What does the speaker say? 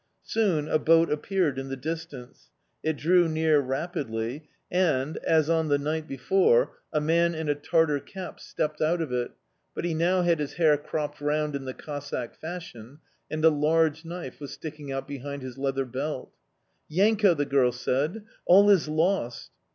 Soon a boat appeared in the distance; it drew near rapidly; and, as on the night before, a man in a Tartar cap stepped out of it, but he now had his hair cropped round in the Cossack fashion, and a large knife was sticking out behind his leather belt. "Yanko," the girl said, "all is lost!"